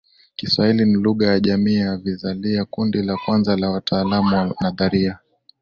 Kiswahili ni Lugha ya Jamii ya Vizalia Kundi la kwanza la wataalamu wa nadharia